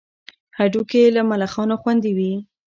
هډوکي یې له ملخانو خوندي وي.